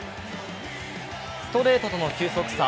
ストレートとの球速差